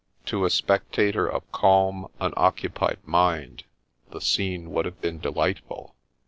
To a spectator of calm, unoccupied mind, the scene would have been delightful.